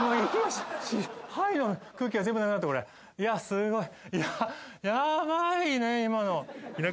いやすごい。